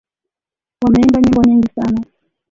Wameimba nyimbo nyingi sana